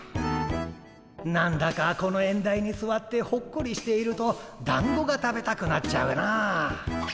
何だかこの縁台にすわってほっこりしているとだんごが食べたくなっちゃうな。